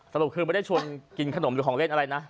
สรุปคือไม่ได้ชวนกินขนมหรือของเล่นอะไรนะ